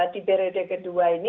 di brd ke dua ini